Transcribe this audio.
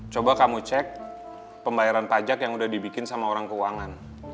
coba kamu cek pembayaran pajak yang udah dibikin sama orang keuangan